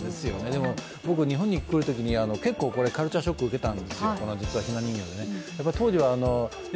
でも僕、日本に来るときにカルチャーショックを受けたんですよ、ひな人形に。